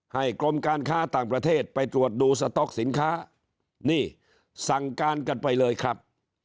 กรมการค้าต่างประเทศไปตรวจดูสต๊อกสินค้านี่สั่งการกันไปเลยครับ